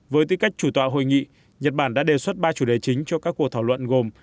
với tư cách chủ tọa hội nghị nhật bản đã đề xuất ba chủ đề chính cho các cuộc thảo luận gồm